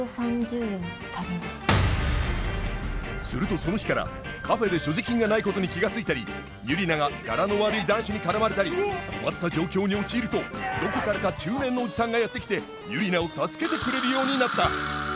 するとその日からカフェで所持金がないことに気が付いたりユリナがガラの悪い男子に絡まれたり困った状況に陥るとどこからか中年のおじさんがやって来てユリナを助けてくれるようになった！